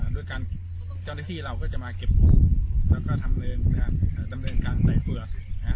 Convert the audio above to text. โดยการเจ้าหน้าที่เราก็จะมาเก็บกู้แล้วก็ทำดำเนินการใส่เปลือก